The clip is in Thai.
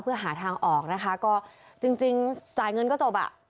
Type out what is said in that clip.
เพื่อหาทางออกนะคะก็จริงจ่ายเงินก็จบอ่ะ